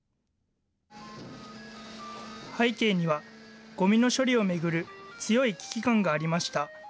背景には、ごみの処理を巡る強い危機感がありました。